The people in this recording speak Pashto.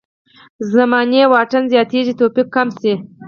زماني واټن زیاتېږي توفیق کم شي.